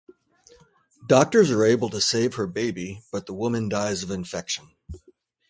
Doctors are able to save her baby, but the woman dies of infection.